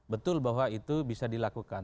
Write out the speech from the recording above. betul bahwa itu bisa dilakukan